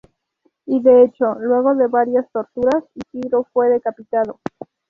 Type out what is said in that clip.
Y de hecho, luego de varias torturas Isidoro fue decapitado.